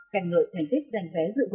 cảnh lợi thành tích đành vé dựng